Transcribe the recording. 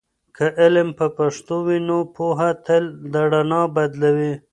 که علم په پښتو وي، نو پوهه تل د رڼا بدلوي.